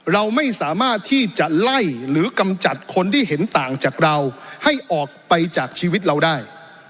เราไม่สามารถที่จะไล่หรือกำจัดคนที่เห็นต่างจากเราให้ออกไปจากชีวิตเราได้